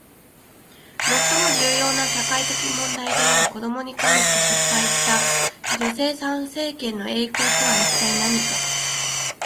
最も重要な社会問題である子どもに関して失敗した女性参政権の栄光とは一体何か？